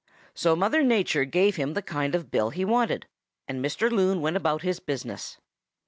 "So Mother Nature gave him the kind of bill he wanted, and Mr. Loon went about his business.